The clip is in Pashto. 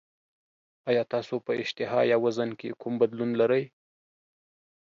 ایا تاسو په اشتها یا وزن کې کوم بدلون لرئ؟